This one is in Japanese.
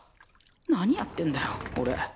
何やってんだよおれ。